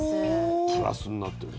プラスになってる。